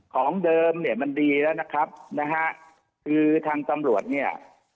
ของเดิมมันดีแล้วนะครับคือทางตำรวจเนี่ย